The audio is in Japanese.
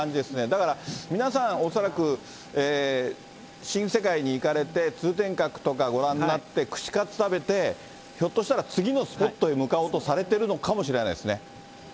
だから皆さん、恐らく、新世界に行かれて、通天閣とかご覧になって、串カツ食べて、ひょっとしたら、次のスポットへ向かおうとされてるのかもしれないですね。